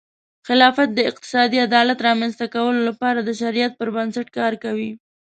خلافت د اقتصادي عدالت رامنځته کولو لپاره د شریعت پر بنسټ کار کوي.